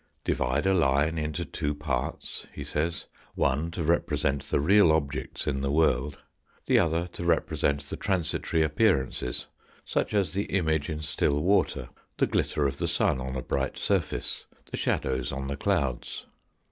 Divide a line into two parts, he says ; one to represent the real objects in the world, the other to represent the transitory appearances, such as the image in still water, the glitter of the sun on a bright surface, the shadows on the clouds.